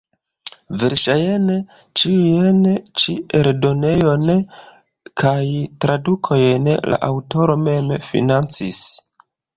Verŝajne ĉiujn ĉi eldonojn kaj tradukojn la aŭtoro mem financis.